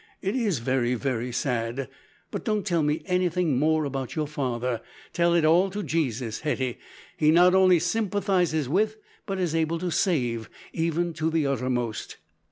It is very very sad, but don't tell me anything more about your father. Tell it all to Jesus, Hetty. He not only sympathises with, but is able to save even to the uttermost."